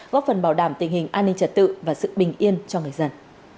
góp phần bảo đảm tình hình an ninh trật tự và sự bình yên cho người dân